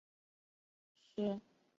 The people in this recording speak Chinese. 涩谷站西侧丘陵地的繁华街。